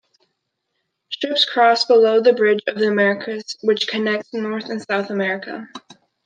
Ships cross below the Bridge of the Americas, which connects North and South America.